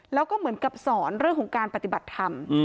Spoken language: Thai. แล้วก็เหมือนกับสอนเรื่องของการปฏิบัติธรรม